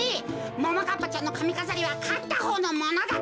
ももかっぱちゃんのかみかざりはかったほうのものだってか。